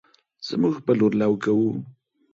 زمونږ په لور لو کوو